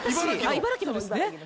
茨城の方ですね。